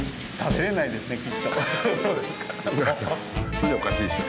それじゃおかしいでしょ。